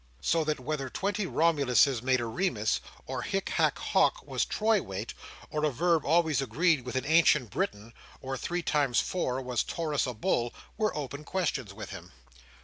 So that whether twenty Romuluses made a Remus, or hic haec hoc was troy weight, or a verb always agreed with an ancient Briton, or three times four was Taurus a bull, were open questions with him.